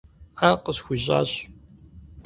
Ӏэ къысхуищӏащ.